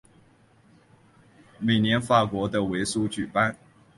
每年在法国的维苏举办。